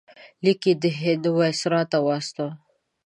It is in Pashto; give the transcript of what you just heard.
لیک یې د هند وایسرا ته واستاوه.